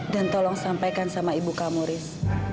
dan tolong sampaikan sama ibu kamu riz